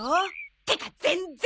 ってか全然！